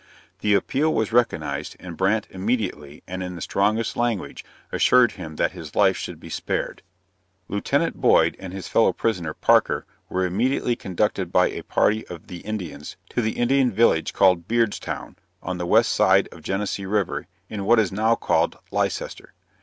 The appeal was recognized, and Brandt immediately, and in the strongest language, assured him that his life should be spared. Lieut. Boyd, and his fellow prisoner, Parker, were immediately conducted by a party of the Indians to the Indian village called Beard's Town, on the west side of Genesee river, in what is now called Leicester.